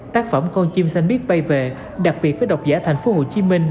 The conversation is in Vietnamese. tác phẩm con chim xanh biết bay về đặc biệt với độc giả thành phố hồ chí minh